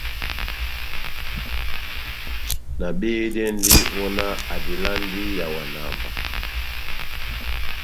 Nabehedɛndi, wɔhɔnáh adelandi ihawana mba.